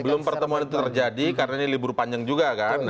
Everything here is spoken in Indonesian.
sebelum pertemuan itu terjadi karena ini libur panjang juga kan